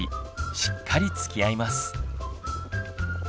しっかりつきあいます。